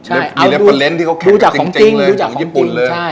อะไรดูดูดูจากของจริงของญี่ปุ่นเลย